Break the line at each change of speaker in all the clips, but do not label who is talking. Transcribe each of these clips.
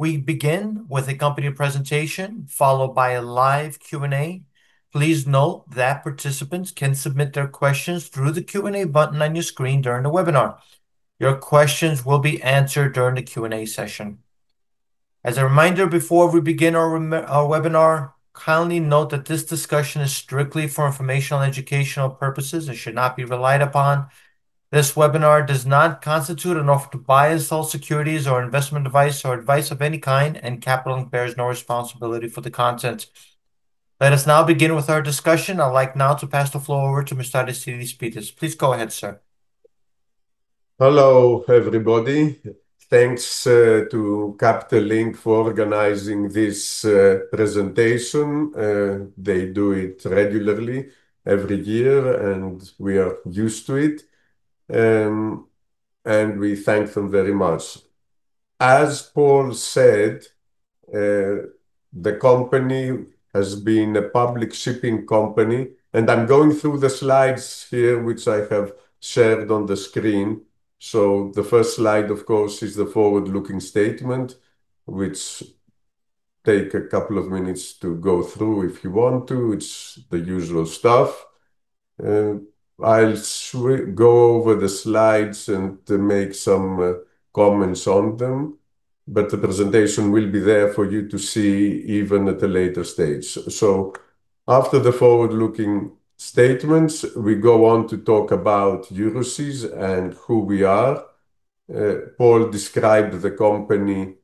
We begin with a company presentation followed by a live Q&A. Please note that participants can submit their questions through the Q&A button on your screen during the webinar. Your questions will be answered during the Q&A session. As a reminder, before we begin our webinar, kindly note that this discussion is strictly for informational and educational purposes and should not be relied upon. This webinar does not constitute an offer to buy and sell securities or investment advice or advice of any kind, and Capital Link bears no responsibility for the content. Let us now begin with our discussion. I'd like now to pass the floor over to Mr. Aristides Pittas. Please go ahead, sir.
Hello, everybody. Thanks to Capital Link for organizing this presentation. They do it regularly every year, and we are used to it, and we thank them very much. As Paul said, the company has been a public shipping company, and I'm going through the slides here, which I have shared on the screen. So the first slide, of course, is the forward-looking statement, which takes a couple of minutes to go through if you want to. It's the usual stuff. I'll go over the slides and make some comments on them, but the presentation will be there for you to see even at a later stage. So after the forward-looking statements, we go on to talk about Euroseas and who we are. Paul described the company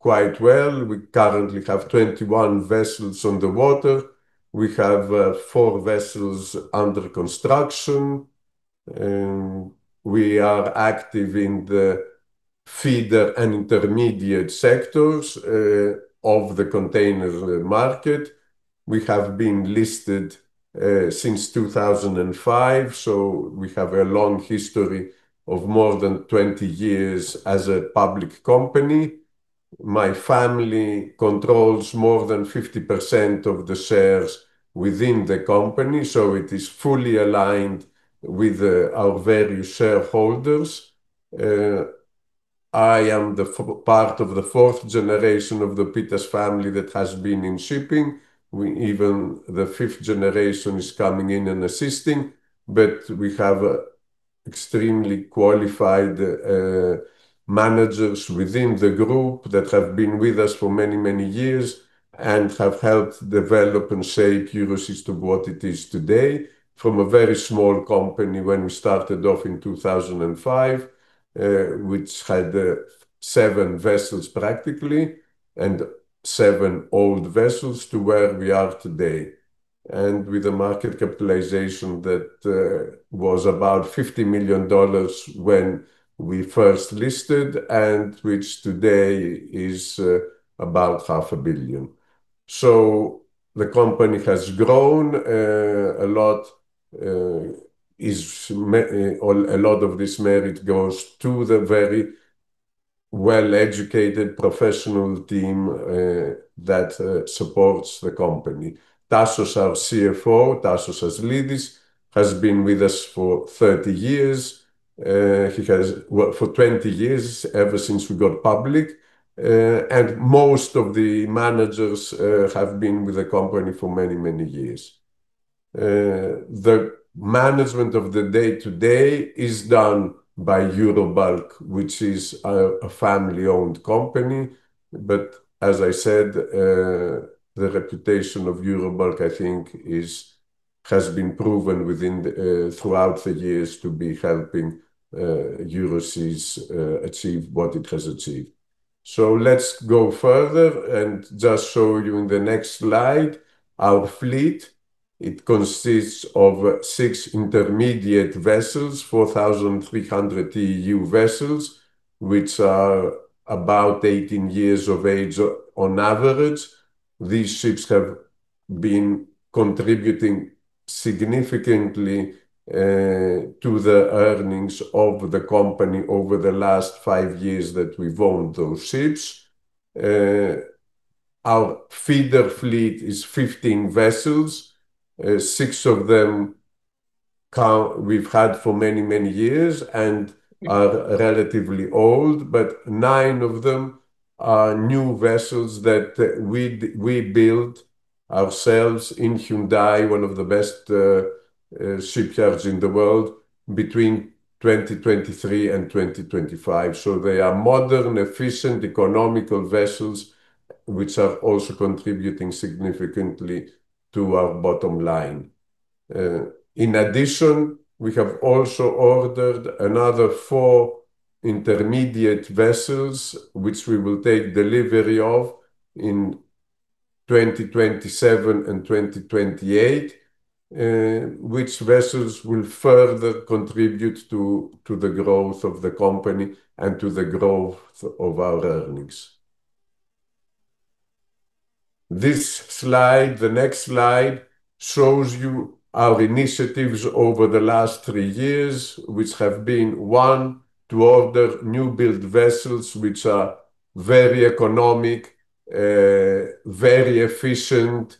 quite well. We currently have 21 vessels on the water. We have four vessels under construction. We are active in the feeder and intermediate sectors of the container market. We have been listed since 2005, so we have a long history of more than 20 years as a public company. My family controls more than 50% of the shares within the company, so it is fully aligned with our various shareholders. I am part of the fourth generation of the Pittas family that has been in shipping. Even the fifth generation is coming in and assisting, but we have extremely qualified managers within the group that have been with us for many, many years and have helped develop and shape Euroseas to what it is today from a very small company when we started off in 2005, which had seven vessels practically and seven old vessels to where we are today, and with a market capitalization that was about $50 million when we first listed, and which today is about $500 million. So the company has grown a lot. A lot of this merit goes to the very well-educated professional team that supports the company. Tasos Aslidis has been with us for 30 years. He has worked for 20 years ever since we got public, and most of the managers have been with the company for many, many years. The management of the day-to-day is done by Eurobulk, which is a family-owned company. But as I said, the reputation of Eurobulk, I think, has been proven throughout the years to be helping Euroseas achieve what it has achieved. So let's go further and just show you in the next slide our fleet. It consists of six intermediate vessels, 4,300 TEU vessels, which are about 18 years of age on average. These ships have been contributing significantly to the earnings of the company over the last five years that we've owned those ships. Our feeder fleet is 15 vessels. Six of them we've had for many, many years and are relatively old, but nine of them are new vessels that we built ourselves in Hyundai, one of the best shipyards in the world, between 2023 and 2025. So they are modern, efficient, economical vessels, which are also contributing significantly to our bottom line. In addition, we have also ordered another four intermediate vessels, which we will take delivery of in 2027 and 2028, which vessels will further contribute to the growth of the company and to the growth of our earnings. This slide, the next slide, shows you our initiatives over the last three years, which have been one, to order newbuilding vessels, which are very economic, very efficient,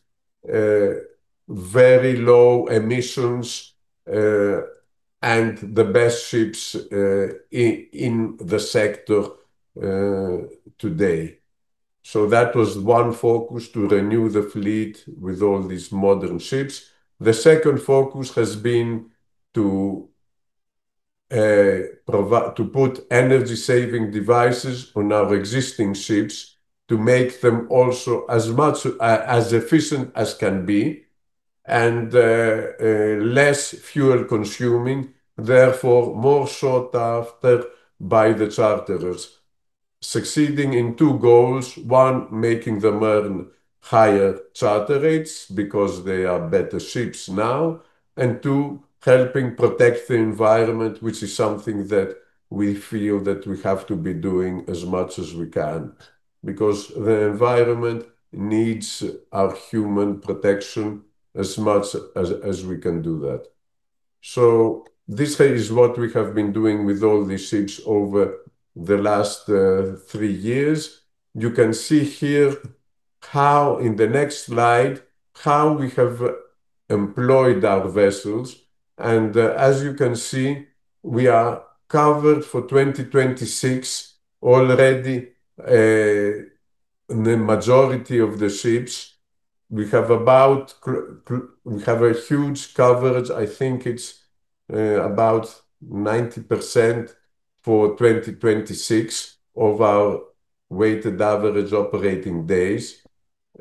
very low emissions, and the best ships in the sector today. So that was one focus: to renew the fleet with all these modern ships. The second focus has been to put energy-saving devices on our existing ships to make them also as efficient as can be and less fuel-consuming, therefore more sought after by the charterers, succeeding in two goals: one, making them earn higher charter rates because they are better ships now, and two, helping protect the environment, which is something that we feel that we have to be doing as much as we can because the environment needs our human protection as much as we can do that. So this is what we have been doing with all these ships over the last three years. You can see here in the next slide how we have employed our vessels. And as you can see, we are covered for 2026 already, the majority of the ships. We have a huge coverage. I think it's about 90% for 2026 of our weighted average operating days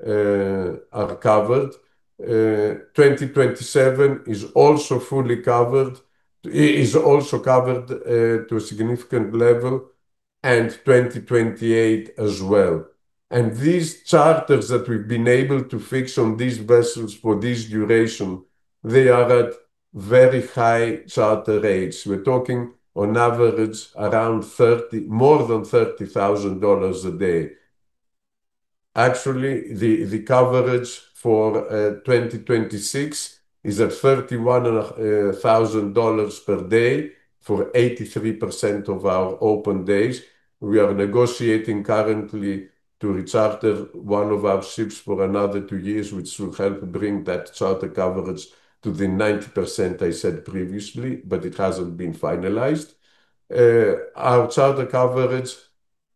are covered. 2027 is also fully covered. It is also covered to a significant level, and 2028 as well, and these charters that we've been able to fix on these vessels for this duration, they are at very high charter rates. We're talking on average around more than $30,000 a day. Actually, the coverage for 2026 is at $31,000 per day for 83% of our open days. We are negotiating currently to re-charter one of our ships for another two years, which will help bring that charter coverage to the 90% I said previously, but it hasn't been finalized. Our charter coverage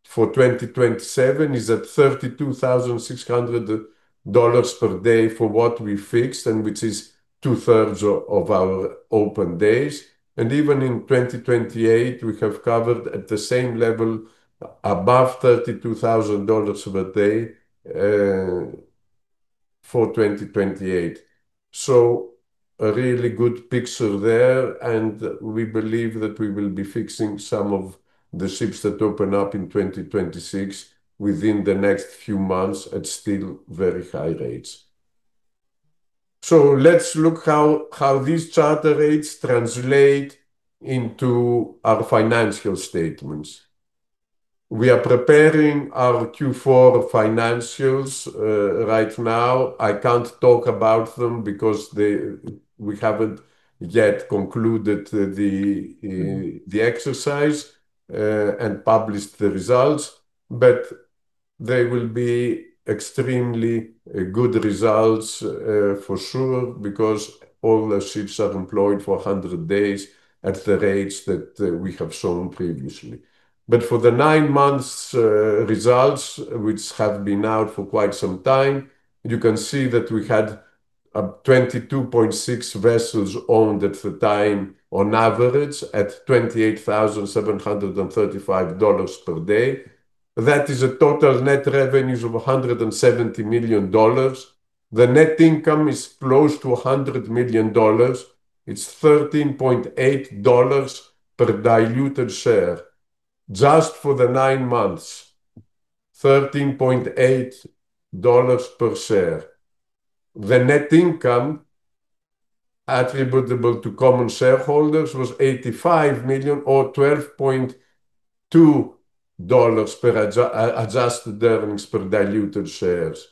for 2027 is at $32,600 per day for what we fixed, and which is two-thirds of our open days. And even in 2028, we have covered at the same level, above $32,000 per day for 2028. So a really good picture there, and we believe that we will be fixing some of the ships that open up in 2026 within the next few months at still very high rates. So let's look at how these charter rates translate into our financial statements. We are preparing our Q4 financials right now. I can't talk about them because we haven't yet concluded the exercise and published the results, but they will be extremely good results for sure because all the ships are employed for 100 days at the rates that we have shown previously. But for the nine-month results, which have been out for quite some time, you can see that we had 22.6 vessels owned at the time on average at $28,735 per day. That is a total net revenue of $170 million. The net income is close to $100 million. It's $13.8 per diluted share just for the nine months, $13.8 per share. The net income attributable to common shareholders was $85 million or $12.2 per adjusted earnings per diluted shares.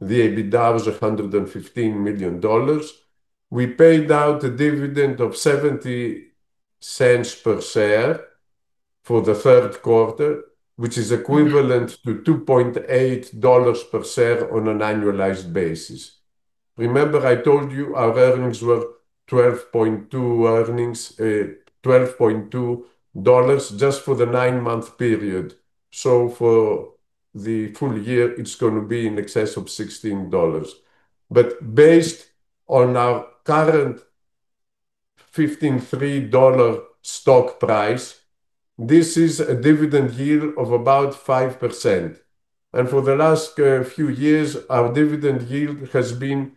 The EBITDA was $115 million. We paid out a dividend of $0.70 per share for the third quarter, which is equivalent to $2.8 per share on an annualized basis. Remember, I told you our earnings were $12.2 just for the nine-month period, so for the full year, it's going to be in excess of $16, but based on our current $53 stock price, this is a dividend yield of about 5%, and for the last few years, our dividend yield has been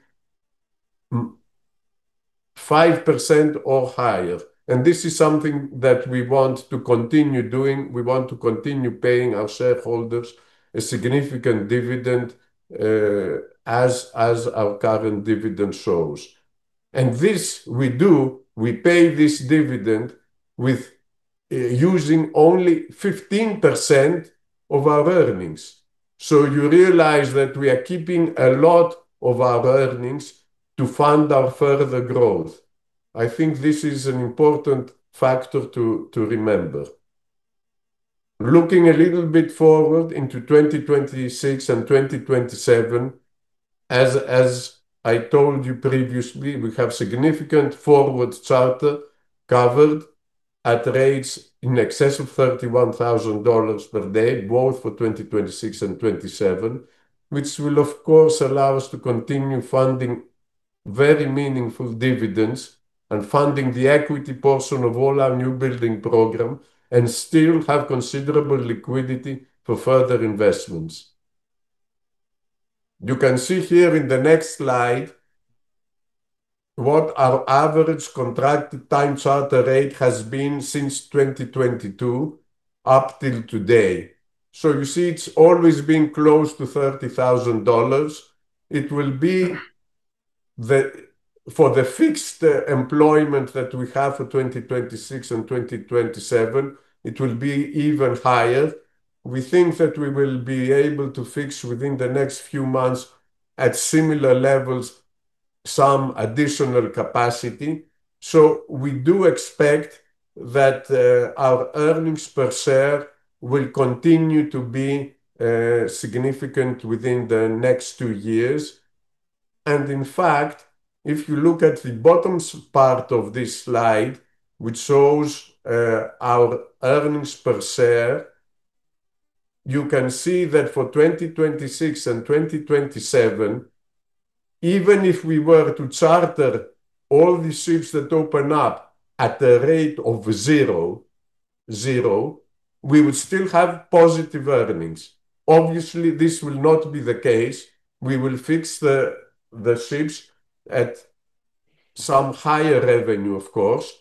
5% or higher, and this is something that we want to continue doing. We want to continue paying our shareholders a significant dividend as our current dividend shows. And this we do. We pay this dividend using only 15% of our earnings. So you realize that we are keeping a lot of our earnings to fund our further growth. I think this is an important factor to remember. Looking a little bit forward into 2026 and 2027, as I told you previously, we have significant forward charter covered at rates in excess of $31,000 per day, both for 2026 and 2027, which will, of course, allow us to continue funding very meaningful dividends and funding the equity portion of all our newbuilding program and still have considerable liquidity for further investments. You can see here in the next slide what our average contracted time charter rate has been since 2022 up till today. So you see it's always been close to $30,000. It will be for the fixed employment that we have for 2026 and 2027. It will be even higher. We think that we will be able to fix within the next few months at similar levels some additional capacity. So we do expect that our earnings per share will continue to be significant within the next two years. And in fact, if you look at the bottom part of this slide, which shows our earnings per share, you can see that for 2026 and 2027, even if we were to charter all the ships that open up at a rate of zero, we would still have positive earnings. Obviously, this will not be the case. We will fix the ships at some higher revenue, of course,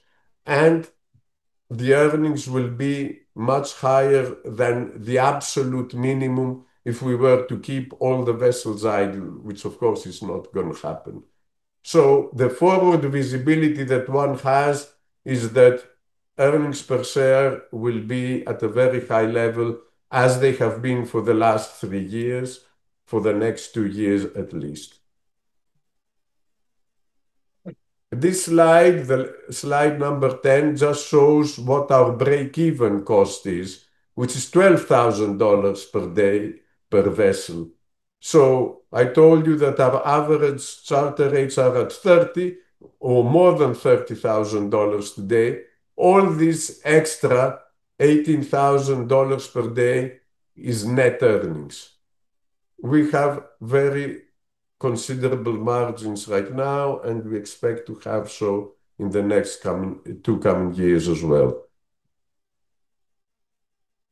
and the earnings will be much higher than the absolute minimum if we were to keep all the vessels idle, which, of course, is not going to happen. So the forward visibility that one has is that earnings per share will be at a very high level as they have been for the last three years, for the next two years at least. This slide, slide number 10, just shows what our break-even cost is, which is $12,000 per day per vessel. So I told you that our average charter rates are at 30 or more than $30,000 today. All this extra $18,000 per day is net earnings. We have very considerable margins right now, and we expect to have so in the next two coming years as well.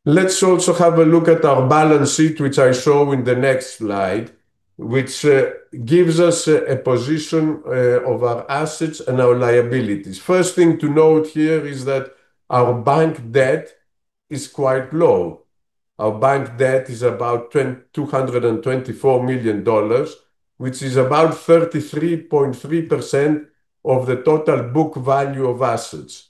Let's also have a look at our balance sheet, which I show in the next slide, which gives us a position of our assets and our liabilities. First thing to note here is that our bank debt is quite low. Our bank debt is about $224 million, which is about 33.3% of the total book value of assets.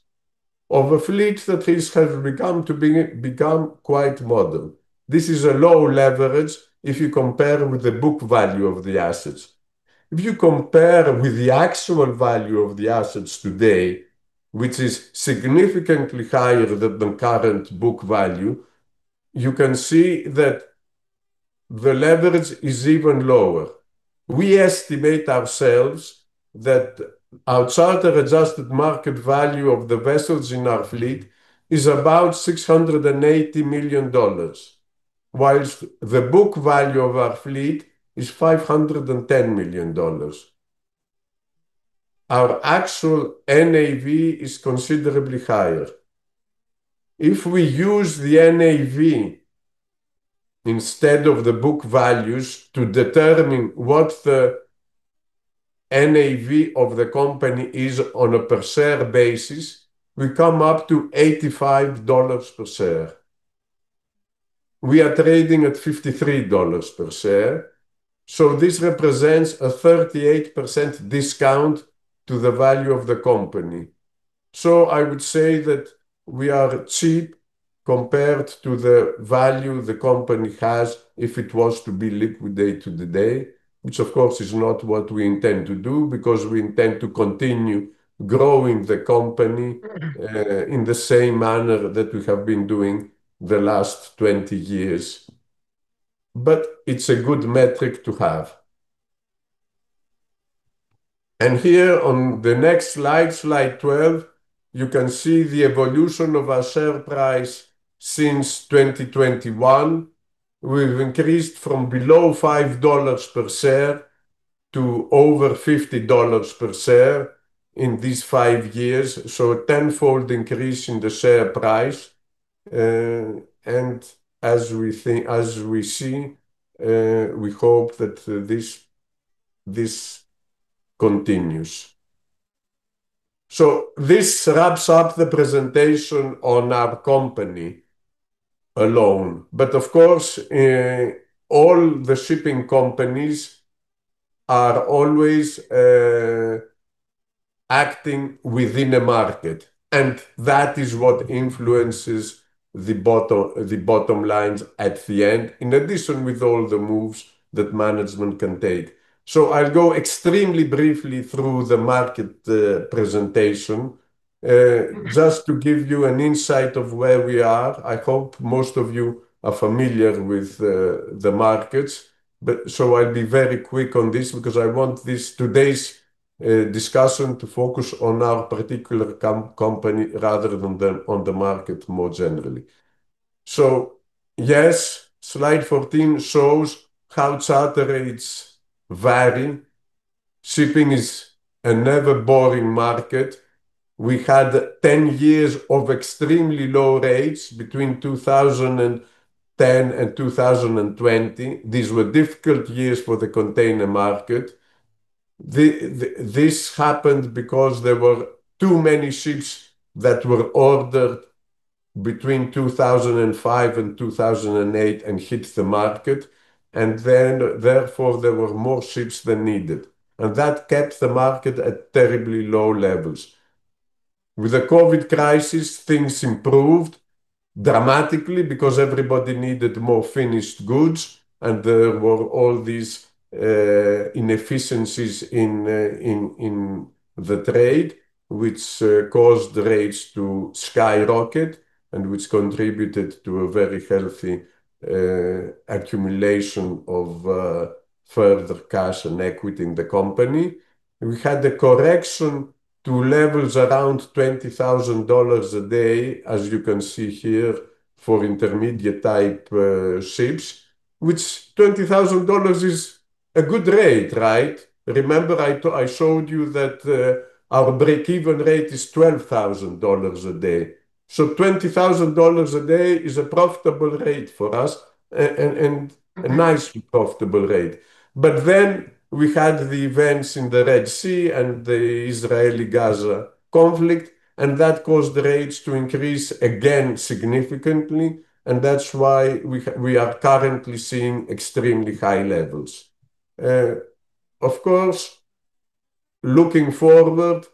Of a fleet that has become quite modern. This is a low leverage if you compare with the book value of the assets. If you compare with the actual value of the assets today, which is significantly higher than the current book value, you can see that the leverage is even lower. We estimate ourselves that our charter adjusted market value of the vessels in our fleet is about $680 million, while the book value of our fleet is $510 million. Our actual NAV is considerably higher. If we use the NAV instead of the book values to determine what the NAV of the company is on a per share basis, we come up to $85 per share. We are trading at $53 per share. So this represents a 38% discount to the value of the company. So I would say that we are cheap compared to the value the company has if it was to be liquidated today, which, of course, is not what we intend to do because we intend to continue growing the company in the same manner that we have been doing the last 20 years. But it's a good metric to have. And here on the next slide, slide 12, you can see the evolution of our share price since 2021. We've increased from below $5 per share to over $50 per share in these five years, so a tenfold increase in the share price, and as we see, we hope that this continues, so this wraps up the presentation on our company alone. But of course, all the shipping companies are always acting within a market, and that is what influences the bottom lines at the end, in addition with all the moves that management can take, so I'll go extremely briefly through the market presentation just to give you an insight of where we are. I hope most of you are familiar with the markets, so I'll be very quick on this because I want today's discussion to focus on our particular company rather than on the market more generally, so yes, slide 14 shows how charter rates vary. Shipping is a never-boring market. We had 10 years of extremely low rates between 2010 and 2020. These were difficult years for the container market. This happened because there were too many ships that were ordered between 2005 and 2008 and hit the market. And therefore, there were more ships than needed. And that kept the market at terribly low levels. With the COVID crisis, things improved dramatically because everybody needed more finished goods, and there were all these inefficiencies in the trade, which caused rates to skyrocket and which contributed to a very healthy accumulation of further cash and equity in the company. We had a correction to levels around $20,000 a day, as you can see here, for intermediate-type ships, which $20,000 is a good rate, right? Remember, I showed you that our break-even rate is $12,000 a day. $20,000 a day is a profitable rate for us and a nice profitable rate. But then we had the events in the Red Sea and the Israeli-Gaza conflict, and that caused rates to increase again significantly. And that's why we are currently seeing extremely high levels. Of course, looking forward,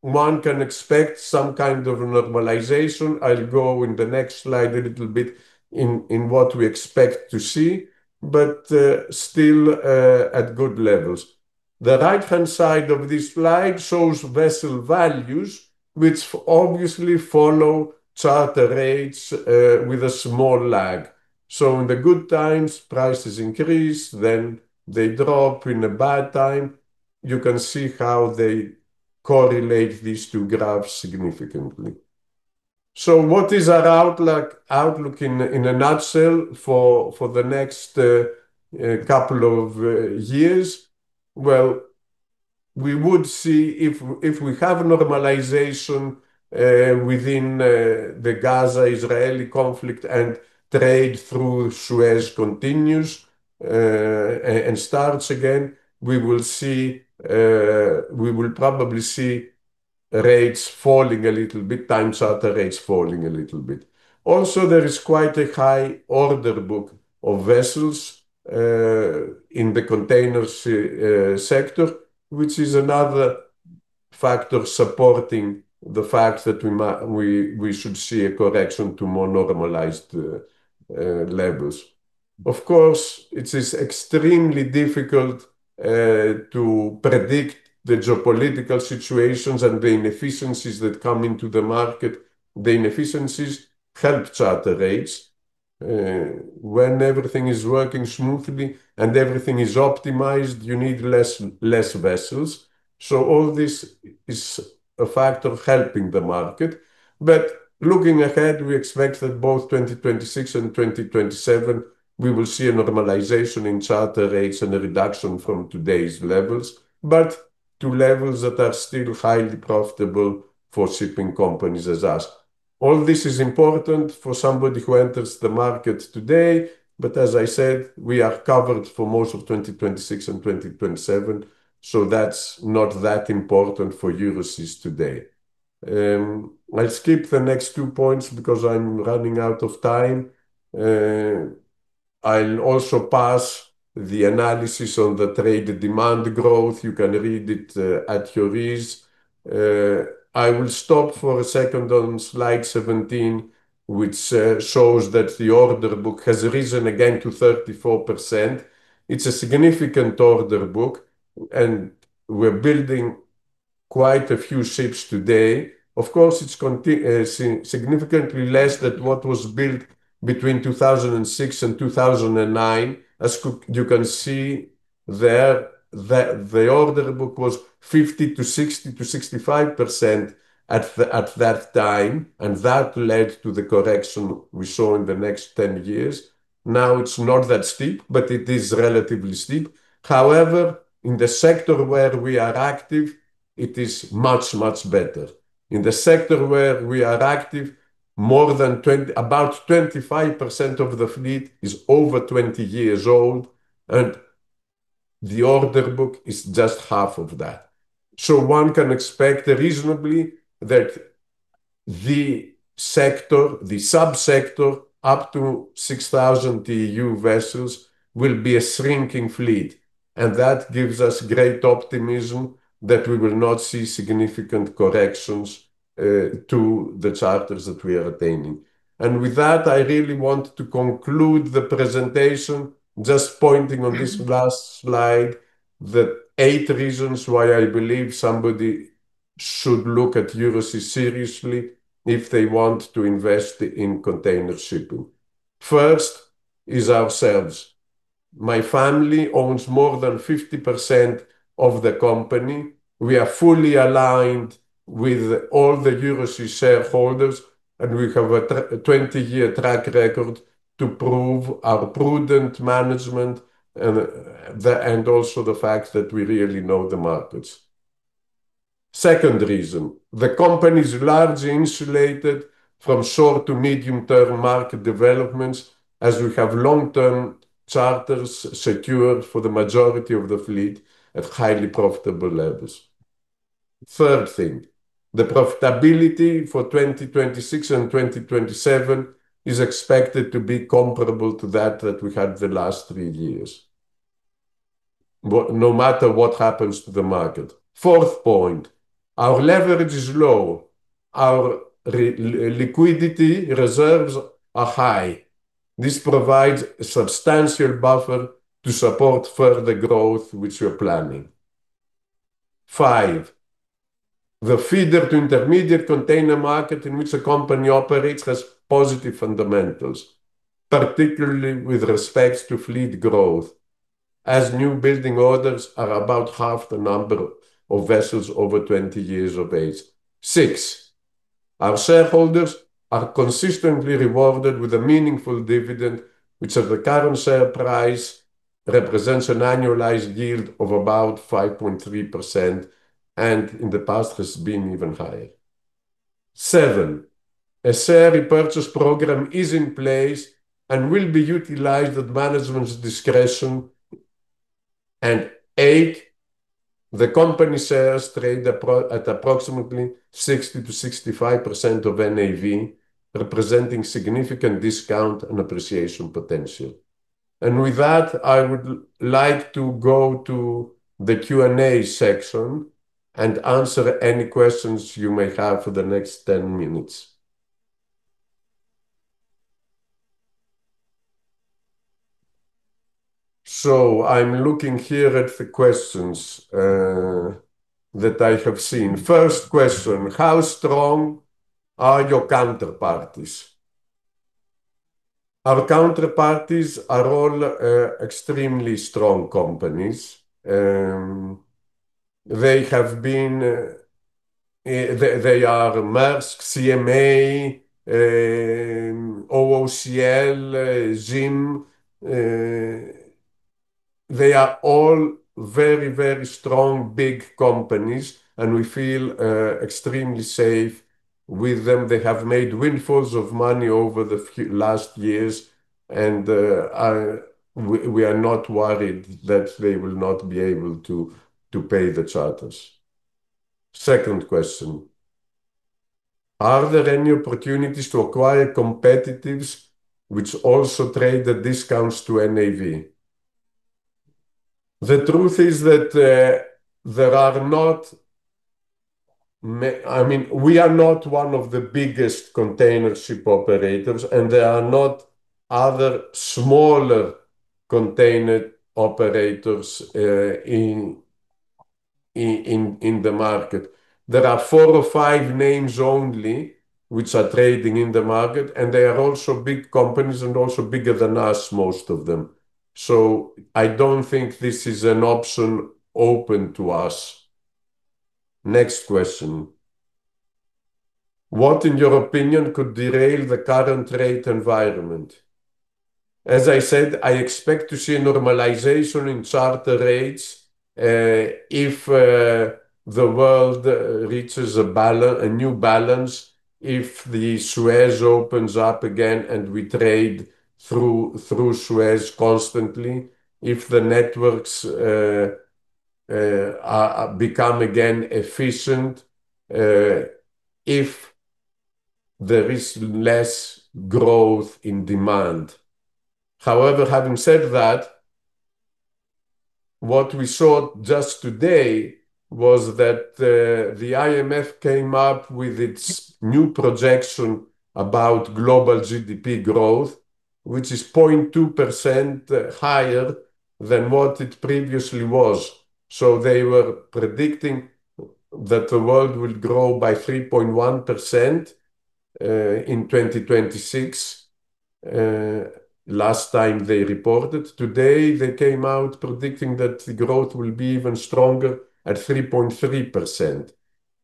one can expect some kind of normalization. I'll go in the next slide a little bit in what we expect to see, but still at good levels. The right-hand side of this slide shows vessel values, which obviously follow charter rates with a small lag. So in the good times, prices increase, then they drop. In a bad time, you can see how they correlate these two graphs significantly. So what is our outlook in a nutshell for the next couple of years? We would see if we have normalization within the Gaza-Israel conflict and trade through Suez continues and starts again, we will probably see rates falling a little bit, time charter rates falling a little bit. Also, there is quite a high order book of vessels in the container sector, which is another factor supporting the fact that we should see a correction to more normalized levels. Of course, it is extremely difficult to predict the geopolitical situations and the inefficiencies that come into the market. The inefficiencies help charter rates. When everything is working smoothly and everything is optimized, you need less vessels. So all this is a factor helping the market. But looking ahead, we expect that both 2026 and 2027, we will see a normalization in charter rates and a reduction from today's levels, but to levels that are still highly profitable for shipping companies as us. All this is important for somebody who enters the market today. But as I said, we are covered for most of 2026 and 2027, so that's not that important for Euroseas today. I'll skip the next few points because I'm running out of time. I'll also pass the analysis on the trade demand growth. You can read it at your ease. I will stop for a second on slide 17, which shows that the order book has risen again to 34%. It's a significant order book, and we're building quite a few ships today. Of course, it's significantly less than what was built between 2006 and 2009. As you can see there, the order book was 50% to 60% to 65% at that time, and that led to the correction we saw in the next 10 years. Now it's not that steep, but it is relatively steep. However, in the sector where we are active, it is much, much better. In the sector where we are active, more than about 25% of the fleet is over 20 years old, and the order book is just half of that. So one can expect reasonably that the subsector up to 6,000 TEU vessels will be a shrinking fleet. And that gives us great optimism that we will not see significant corrections to the charters that we are attaining. And with that, I really want to conclude the presentation, just pointing on this last slide, the eight reasons why I believe somebody should look at Euroseas seriously if they want to invest in container shipping. First is ourselves. My family owns more than 50% of the company. We are fully aligned with all the Euroseas shareholders, and we have a 20-year track record to prove our prudent management and also the fact that we really know the markets. Second reason, the company is largely insulated from short to medium-term market developments as we have long-term charters secured for the majority of the fleet at highly profitable levels. Third thing, the profitability for 2026 and 2027 is expected to be comparable to that that we had the last three years, no matter what happens to the market. Fourth point, our leverage is low. Our liquidity reserves are high. This provides a substantial buffer to support further growth, which we're planning. Five, the feeder to intermediate container market in which a company operates has positive fundamentals, particularly with respect to fleet growth, as newbuilding orders are about half the number of vessels over 20 years of age. Six, our shareholders are consistently rewarded with a meaningful dividend, which at the current share price represents an annualized yield of about 5.3% and in the past has been even higher. Seven, a share repurchase program is in place and will be utilized at management's discretion. Eight, the company shares trade at approximately 60%-65% of NAV, representing significant discount and appreciation potential. With that, I would like to go to the Q&A section and answer any questions you may have for the next 10 minutes. I'm looking here at the questions that I have seen. First question, how strong are your counterparties? Our counterparties are all extremely strong companies. They have been Maersk, CMA, OOCL, ZIM. They are all very, very strong, big companies, and we feel extremely safe with them. They have made windfalls of money over the last years, and we are not worried that they will not be able to pay the charters. Second question, are there any opportunities to acquire competitors which also trade at discounts to NAV? The truth is that there are not, I mean, we are not one of the biggest container ship operators, and there are not other smaller container operators in the market. There are four or five names only which are trading in the market, and they are also big companies and also bigger than us, most of them. So I don't think this is an option open to us. Next question, what in your opinion could derail the current rate environment? As I said, I expect to see a normalization in charter rates if the world reaches a new balance, if the Suez opens up again and we trade through Suez constantly, if the networks become again efficient, if there is less growth in demand. However, having said that, what we saw just today was that the IMF came up with its new projection about global GDP growth, which is 0.2% higher than what it previously was. So they were predicting that the world will grow by 3.1% in 2026 last time they reported. Today, they came out predicting that the growth will be even stronger at 3.3%.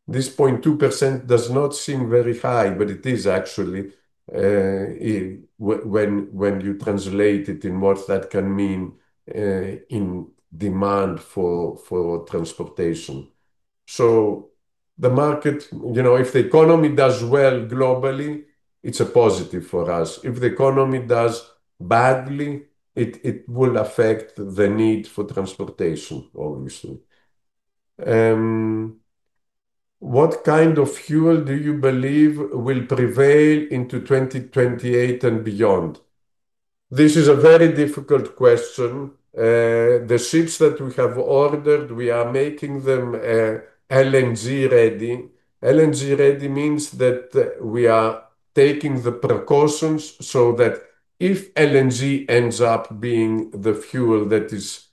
This 0.2% does not seem very high, but it is actually when you translate it in what that can mean in demand for transportation. So the market, you know, if the economy does well globally, it's a positive for us. If the economy does badly, it will affect the need for transportation, obviously. What kind of fuel do you believe will prevail into 2028 and beyond? This is a very difficult question. The ships that we have ordered, we are making them LNG ready. LNG ready means that we are taking the precautions so that if LNG ends up being the fuel that is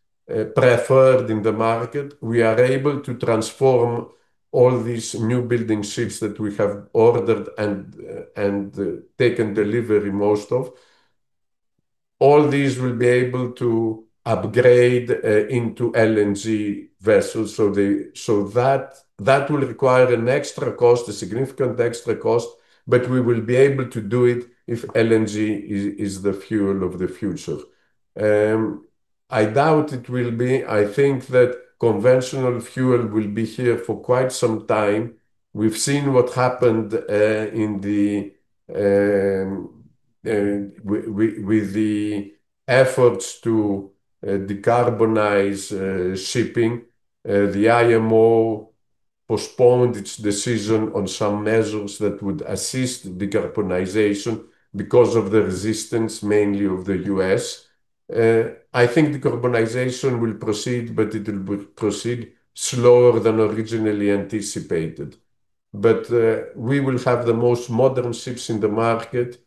preferred in the market, we are able to transform all these newbuilding ships that we have ordered and taken delivery most of. All these will be able to upgrade into LNG vessels. So that will require an extra cost, a significant extra cost, but we will be able to do it if LNG is the fuel of the future. I doubt it will be. I think that conventional fuel will be here for quite some time. We've seen what happened with the efforts to decarbonize shipping. The IMO postponed its decision on some measures that would assist decarbonization because of the resistance, mainly of the U.S. I think decarbonization will proceed, but it will proceed slower than originally anticipated. But we will have the most modern ships in the market,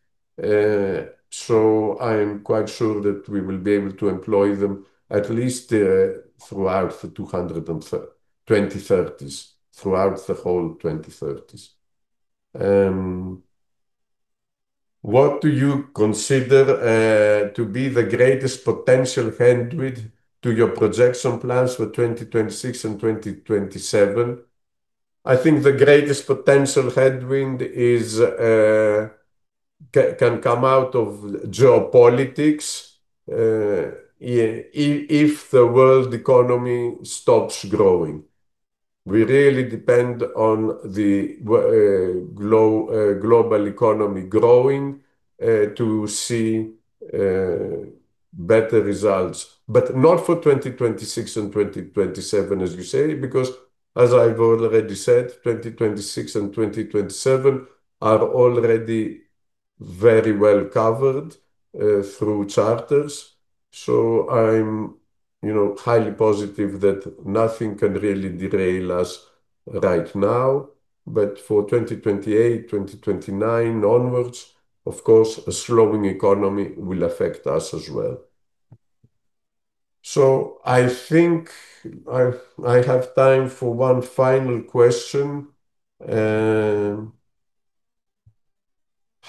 so I'm quite sure that we will be able to employ them at least throughout the 2030s, throughout the whole 2030s. What do you consider to be the greatest potential headwind to your projection plans for 2026 and 2027? I think the greatest potential headwind can come out of geopolitics if the world economy stops growing. We really depend on the global economy growing to see better results, but not for 2026 and 2027, as you say, because as I've already said, 2026 and 2027 are already very well covered through charters. I'm, you know, highly positive that nothing can really derail us right now, but for 2028, 2029 onwards, of course, a slowing economy will affect us as well. I think I have time for one final question.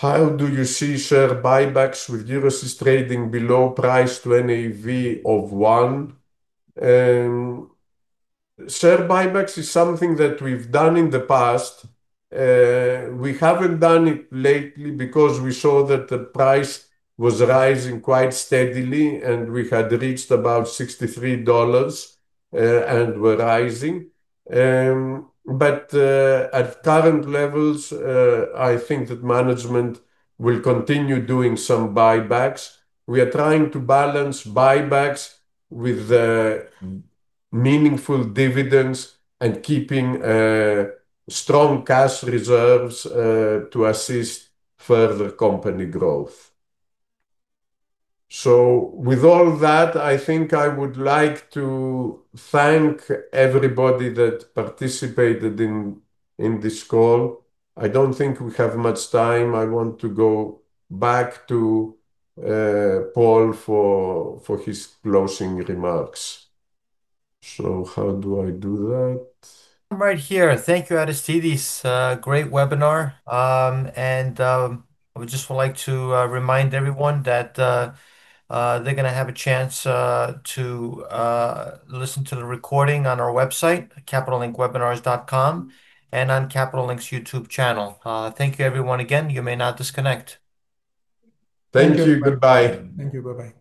How do you see share buybacks with Euroseas trading below price to NAV of one? Share buybacks is something that we've done in the past. We haven't done it lately because we saw that the price was rising quite steadily, and we had reached about $63 and were rising. But at current levels, I think that management will continue doing some buybacks. We are trying to balance buybacks with meaningful dividends and keeping strong cash reserves to assist further company growth. With all that, I think I would like to thank everybody that participated in this call. I don't think we have much time. I want to go back to Paul for his closing remarks. So how do I do that?
I'm right here. Thank you, Aristides. Great webinar. And I would just like to remind everyone that they're going to have a chance to listen to the recording on our website, capitalinkwebinars.com, and on Capital Link's YouTube channel. Thank you, everyone, again. You may now disconnect.
Thank you. Goodbye.
Thank you. Goodbye.